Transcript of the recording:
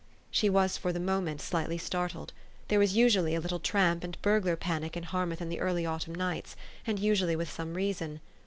She was for the moment slightly startled. There was usually a little tramp and burglar panic in Har mouth in the early autumn nights, and usually with some reason.